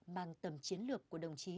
mang tầm chiến lược của đồng chí